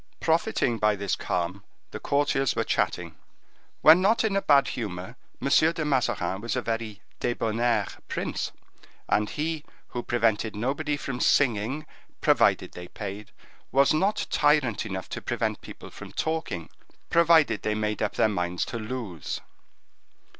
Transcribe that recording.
Profiting by this calm, the courtiers were chatting. When not in a bad humor, M. de Mazarin was a very debonnaire prince, and he, who prevented nobody from singing, provided they paid, was not tyrant enough to prevent people from talking, provided they made up their minds to lose.